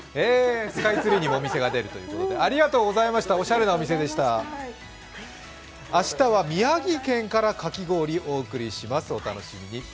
スカイツリーにもお店が出るということで、ありがとうございました明日は宮城県からかき氷お送りします、お楽しみに。